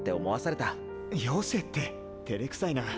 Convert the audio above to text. よせって照れくさいな。